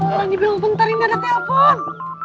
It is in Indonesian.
orang ini bingung bentar ini ada telepon